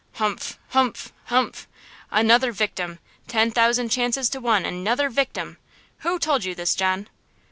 "Humph! humph! humph! another victim! Ten thousand chances to one, another victim! who told you this, John?"